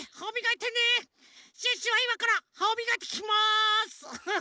シュッシュはいまからはみがきしますフフ。